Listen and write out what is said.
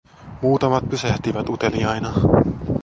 Muutamat pysähtyivät uteliaina.